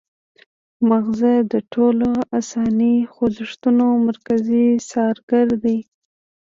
مغزه د ټولو انساني خوځښتونو مرکزي څارګر دي